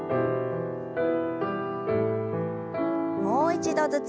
もう一度ずつ。